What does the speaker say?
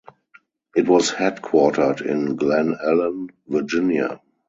It was headquartered in Glen Allen, Virginia.